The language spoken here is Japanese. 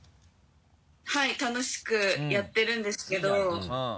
はい楽しくやってるんですけど。